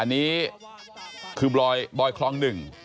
อันนี้คือบอยคลองหนึ่ง